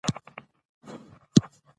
نو همېشه هم وخت ظاهروي